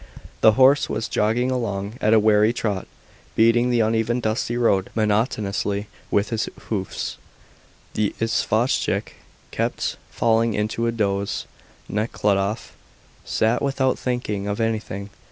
The horse was jogging along at a weary trot, beating the uneven, dusty road monotonously with its hoofs, the isvostchik kept falling into a doze, Nekhludoff sat without thinking of anything.